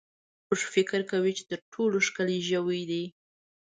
اوښ فکر کوي چې تر ټولو ښکلی ژوی دی.